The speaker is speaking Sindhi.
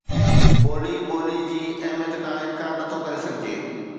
ٻولي ٻولي جي اهميت کان انڪار نه ٿو ڪري سگهجي